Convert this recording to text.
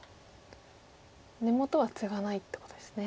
根元はツガないってことですね。